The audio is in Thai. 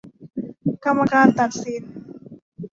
กรรมการตัดสิน